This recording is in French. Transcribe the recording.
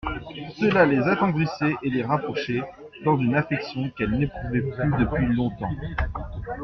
Cela les attendrissait et les rapprochait, dans une affection qu'elles n'éprouvaient plus depuis longtemps.